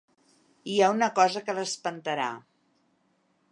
Hi ha una cosa que l’espantarà.